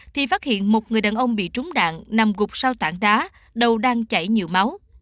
thì phát hiện một người đàn ông bị trúng đạn nằm gục sau tảng đá đầu đang chảy nhiều máu